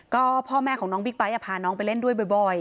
ก็พ่อแม่ของน้องบิ๊กไบท์พาน้องไปเล่นด้วยบ่อย